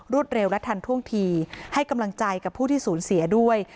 เร็วและทันท่วงทีให้กำลังใจกับผู้ที่สูญเสียด้วย